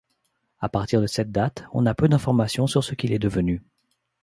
À partir de cette date, on a peu d'informations sur ce qu'il est devenu.